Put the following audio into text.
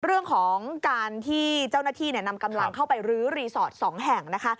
เรื่องของการที่เจ้าหน้าที่นำกำลังเข้าไปรื้อรีสอร์ท๒แห่งนะคะ